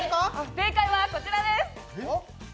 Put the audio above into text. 正解はこちらです！